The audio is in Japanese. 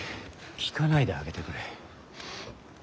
聞かないであげてくれ。